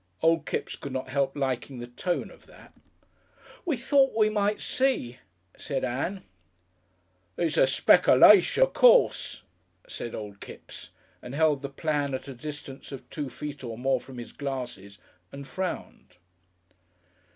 Old Kipps could not help liking the tone of that. "We thought we might see " said Ann. "It's a spekerlation, of course," said old Kipps, and held the plan at a distance of two feet or more from his glasses and frowned.